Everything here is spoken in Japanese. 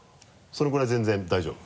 そのくらい全然大丈夫？